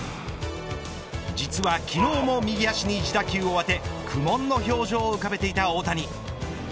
実は昨日も右足に自打球を当て苦悶の表情を浮かべていた大谷。